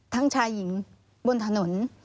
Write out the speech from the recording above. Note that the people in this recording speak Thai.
ทั้งชายิงบนถนน